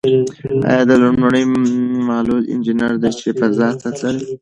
ایا دا لومړنۍ معلول انجنیر ده چې فضا ته تللې؟